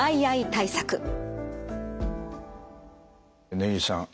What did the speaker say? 根岸さん